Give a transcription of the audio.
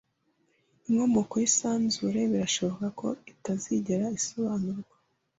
Inkomoko y'isanzure birashoboka ko itazigera isobanurwa.